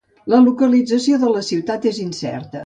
La localització de la ciutat és incerta.